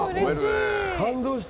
感動した！